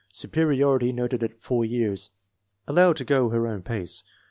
Superiority noted at 4 years. Allowed to go her own pace.